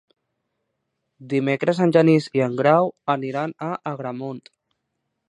Dimecres en Genís i en Grau aniran a Agramunt.